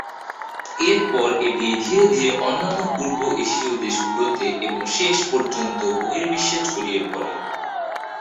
এরপর এটি ধীরে ধীরে অন্যান্য পূর্ব এশীয় দেশগুলিতে এবং শেষ পর্যন্ত বহির্বিশ্বে ছড়িয়ে পড়ে।